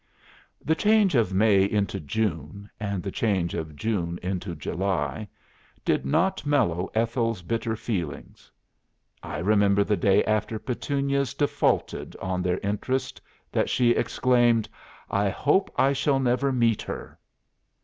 "The change of May into June, and the change of June into July, did not mellow Ethel's bitter feelings. I remember the day after Petunias defaulted on their interest that she exclaimed, 'I hope I shall never meet her!